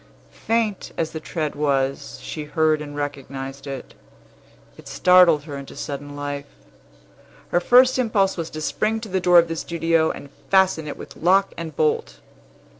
Faint as the tread was, she heard and recognized it. It startled her into sudden life. Her first impulse was to spring to the door of the studio, and fasten it with lock and bolt.